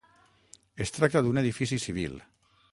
Es tracta d'un edifici civil.